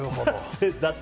だって。